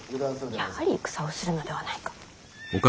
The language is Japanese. はあやはり戦をするのではないか。